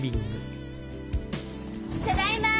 ただいま！